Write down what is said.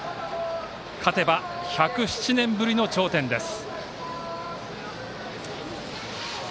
勝てば１０７年ぶりの頂点です。